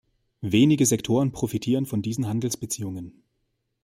Wenige Sektoren profitieren von diesen Handelsbeziehungen.